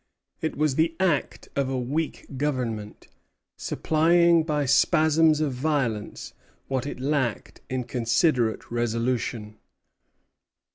It was the act of a weak Government, supplying by spasms of violence what it lacked in considerate resolution.